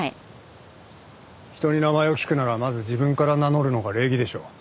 人に名前を聞くならまず自分から名乗るのが礼儀でしょ。